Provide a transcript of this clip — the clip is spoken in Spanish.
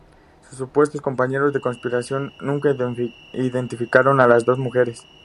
Sus supuestos compañeros de conspiración nunca identificaron a las dos mujeres.